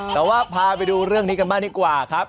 แต่ว่าพาไปดูเรื่องนี้กันบ้างดีกว่าครับ